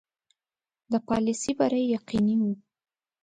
د پالیسي بری یقیني وو.